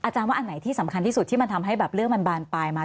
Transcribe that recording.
ว่าอันไหนที่สำคัญที่สุดที่มันทำให้แบบเรื่องมันบานปลายมา